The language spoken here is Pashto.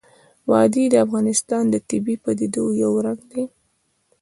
وادي د افغانستان د طبیعي پدیدو یو رنګ دی.